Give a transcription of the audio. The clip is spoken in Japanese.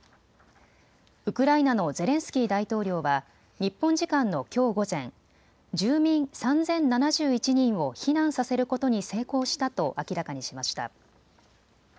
ウクライナのゼレンスキー大統領は日本時間のきょう午前、住民３０７１人を避難させることに成功したと明らかにしました。